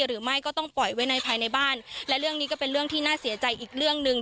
หรือไม่ก็ต้องปล่อยไว้ในภายในบ้านและเรื่องนี้ก็เป็นเรื่องที่น่าเสียใจอีกเรื่องหนึ่ง